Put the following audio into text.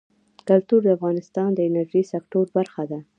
کلتور د افغانستان د انرژۍ سکتور برخه ده.